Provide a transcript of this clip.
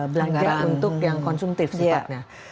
belanja untuk yang konsumtif sifatnya